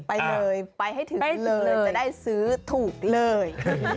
ไปเลยไปให้ถึงที่สุดเลยจะได้ซื้อถูกเลย